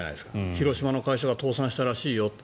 広島の会社が倒産したらしいよと。